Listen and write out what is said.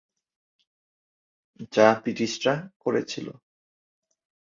যা ব্রিটিশরা করেছিল।